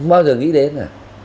bao giờ nghĩ đến